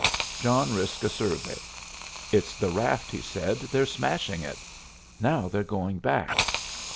John risked a survey. "It's the raft," he said. "They're smashing it. Now they're going back.